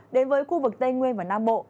đến với khu vực tây nguyên và nam bộ